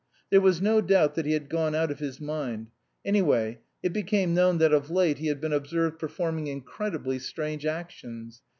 There was no doubt that he had gone out of his mind; anyway, it became known that of late he had been observed performing incredibly strange actions.